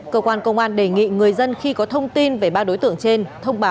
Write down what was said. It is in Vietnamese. cơ quan công an đề nghị người dân khi có thông tin về ba đối tượng trên